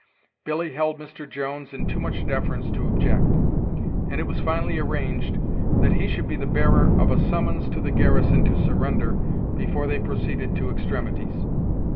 Billy held Mr. Jones in too much deference to object; and it was finally arranged that he should be the bearer of a summons to the garrison to surrender before they proceeded to extremities.